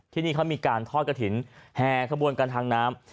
ที่นี่เขามีการทอดกระถิ่นแห่ขบวนกันทางน้ำ